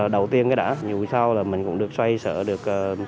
đầu tiên cái đã dù sao là mình cũng được xoay sợ được